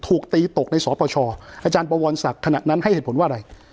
ถูกตีตกในสปชอาจารย์บวรศักดิ์ขณะนั้นให้เหตุผลว่าอะไร